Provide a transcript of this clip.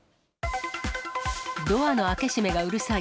ドアの開け閉めがうるさい。